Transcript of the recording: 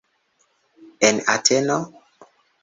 En Ateno?